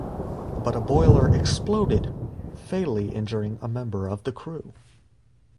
But a boiler exploded, fatally injuring a member of the crew.